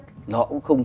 họ cũng không